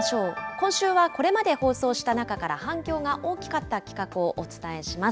今週はこれまで放送した中から反響が大きかった企画をお伝えします。